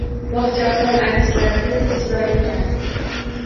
Bog`cha opam aytishlaricha, siz chiroyli ekansiz